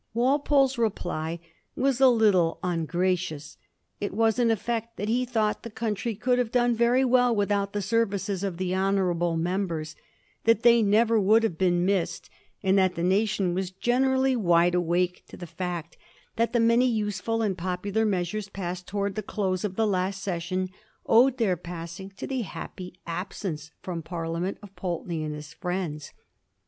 Walpole's reply was a little ungra cious. It was, in effect, that he thought the country could have done very well without the services of the honorable members; that they never would have been missed ; and that the nation was generally wide awake to the fact that the many useful and popular measures passed towards the close of the last session owed their passing to the happy absence from Parliament of Pulteney and his friends.